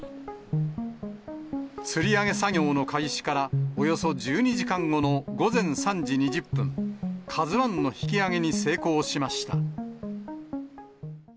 つり上げ作業の開始から、およそ１２時間後の午前３時２０分、ＫＡＺＵＩの引き揚げに成功しました。